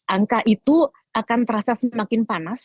angka itu akan terasa semakin panas